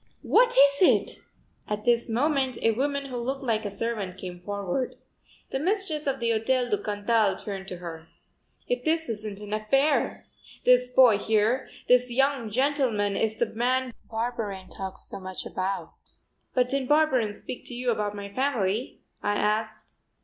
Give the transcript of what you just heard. What is it?" At this moment a woman who looked like a servant came forward. The mistress of the Hotel du Cantal turned to her: "If this isn't an affair! This boy here, this young gentleman, is the man Barberin talked so much about." "But didn't Barberin speak to you about my family?" I asked.